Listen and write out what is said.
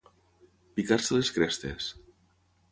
Picar-se les crestes.